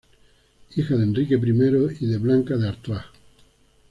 Hija de Enrique I y de Blanca de Artois.